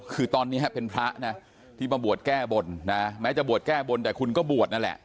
คือตอนนี้เป็นพระนะที่มาบวชแก้บนนะแม้จะบวชแก้บนแต่คุณก็บวชนั่นแหละ